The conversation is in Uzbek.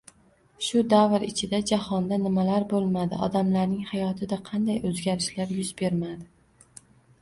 Shu davr ichida jahonda nimalar boʻlmadi, odamlarning hayotida qanday oʻzgarishlar yuz bermadi